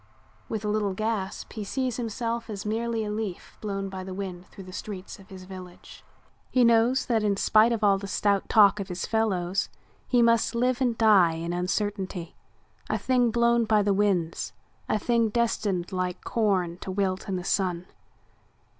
With a little gasp he sees himself as merely a leaf blown by the wind through the streets of his village. He knows that in spite of all the stout talk of his fellows he must live and die in uncertainty, a thing blown by the winds, a thing destined like corn to wilt in the sun.